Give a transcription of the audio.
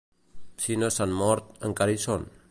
Si no s'han mort, encara hi són.